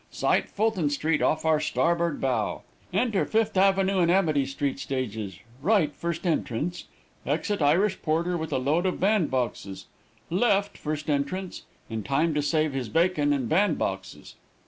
Sight Fulton street off our starboard bow. Enter Fifth Avenue and Amity street stages, R. 1st Entrance. Exit Irish porter with a load of band boxes, L. 1st Entrance, in time to save his bacon and band boxes.